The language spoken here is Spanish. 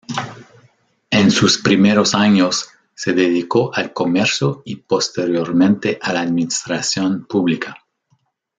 En sus primeros años se dedicó al comercio y posteriormente a la administración pública.